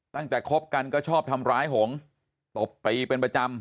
คบกันก็ชอบทำร้ายหงษ์ตบตีเป็นประจำ